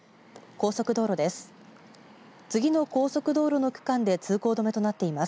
高速道路です。